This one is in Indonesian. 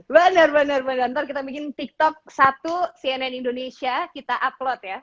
iya seru kan bener bener bener nanti kita bikin tiktok satu cnn indonesia kita upload ya